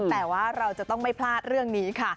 แต่ว่าเราจะต้องไม่พลาดเรื่องนี้ค่ะ